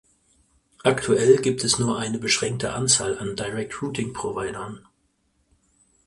Aktuell gibt es nur eine beschränkte Anzahl an Direct Routing Providern.